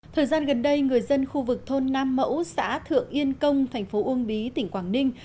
thời gian gần đây người dân khu vực thôn nam mẫu xã thượng yên công thành phố uông bí tỉnh quảng ninh